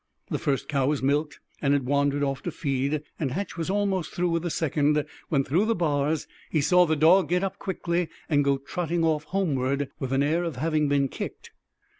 The first cow was milked and had wandered off to feed, and Hatch was almost through with the second, when through the bars he saw the dog get up quickly and go trotting off homeward with an air of having been kicked.